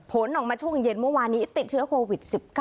ผลออกมาช่วงเย็นเมื่อวานนี้ติดเชื้อโควิด๑๙